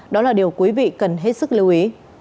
đó là điều quý vị cần hết sức lưu ý